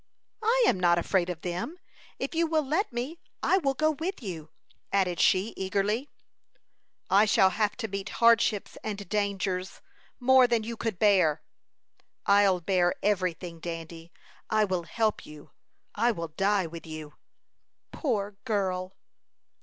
"I am not afraid of them. If you will let me, I will go with you," added she, eagerly. "I shall have to meet hardships and dangers, more than you could bear." "I'll bear every thing, Dandy. I will help you; I will die with you." "Poor girl!"